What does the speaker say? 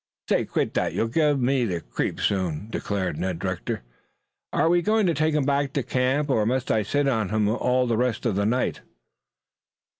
"Say, quit that! You'll give me the creeps soon," declared Ned. "Are we going to take him back to camp or must I sit on him all the rest of the night?"